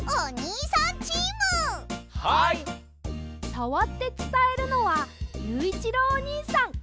さわってつたえるのはゆういちろうおにいさん！